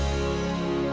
sampai jumpa lagi